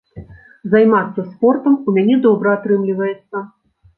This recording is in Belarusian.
Займацца спортам у мяне добра атрымліваецца.